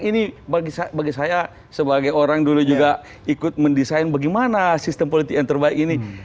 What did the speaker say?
ini bagi saya sebagai orang dulu juga ikut mendesain bagaimana sistem politik yang terbaik ini